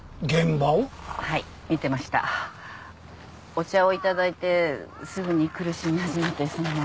お茶を頂いてすぐに苦しみ始めてそのまま。